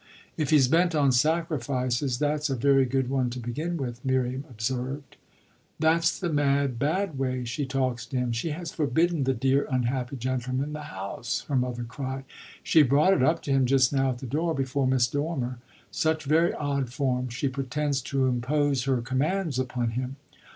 "If he's bent on sacrifices that's a very good one to begin with," Miriam observed. "That's the mad, bad way she talks to him she has forbidden the dear unhappy gentleman the house!" her mother cried. "She brought it up to him just now at the door before Miss Dormer: such very odd form! She pretends to impose her commands upon him."